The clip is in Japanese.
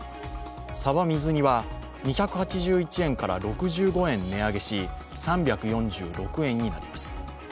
さば水煮は、２８１円から６５円値上げし３４６円になります。